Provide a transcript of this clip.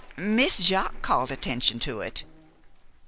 Miss Jaques called attention to it."